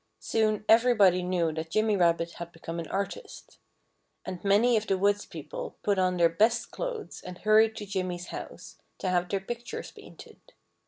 Soon everybody knew that Jimmy Rabbit had become an artist. And many of the woods people put on their best clothes and hurried to Jimmy's house, to have their pictures painted.